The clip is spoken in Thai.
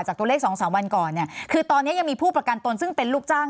ตัวเลขสองสามวันก่อนเนี่ยคือตอนนี้ยังมีผู้ประกันตนซึ่งเป็นลูกจ้าง